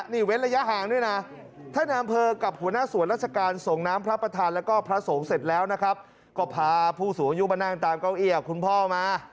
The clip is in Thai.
นี่เว้นระยะห่างด้วยนะ